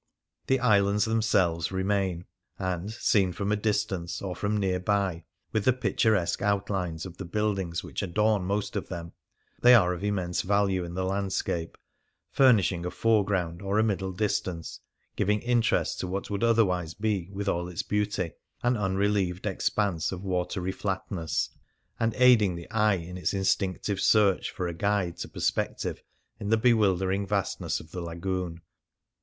The islands them selves remain, and, seen from a distance or from near by, with the picturesque outlines of the buildings which adorn most of them, they are of immense value in the landscape, furnishing a foreground or a middle distance, giving interest to what would otherwise be, with all its beauty, an unrelieved expanse of watery flatness, and aiding the eye in its instinctive search for a guide to perspective in the bewildering vastness of the Lagoon.